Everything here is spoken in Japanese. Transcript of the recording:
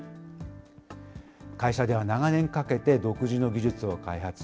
会社では長年かけて、独自の技術を開発。